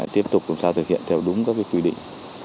tiếp tục làm sao thực hiện theo đúng các quy định